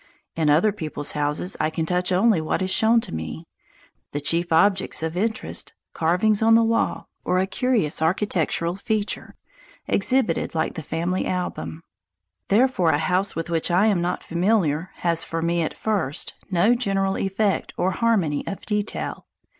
In other people's houses I can touch only what is shown to me the chief objects of interest, carvings on the wall, or a curious architectural feature, exhibited like the family album. Therefore a house with which I am not familiar has for me, at first, no general effect or harmony of detail.